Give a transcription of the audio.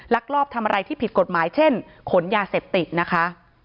ลอบทำอะไรที่ผิดกฎหมายเช่นขนยาเสพติดนะคะ